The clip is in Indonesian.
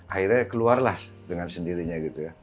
akhirnya keluarlah dengan sendirinya gitu ya